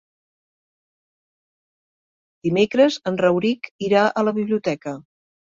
Dimecres en Rauric irà a la biblioteca.